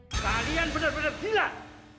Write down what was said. kalian benar benar hilang